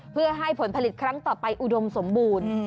เพื่อให้ผลผลิตครั้งต่อไปอุดมสมบูรณ์